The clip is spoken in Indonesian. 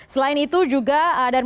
selain itu juga darmina sution menganjurkan